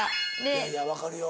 いやいや分かるよ。